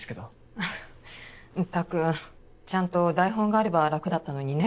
あっったくちゃんと台本があれば楽だったのにね。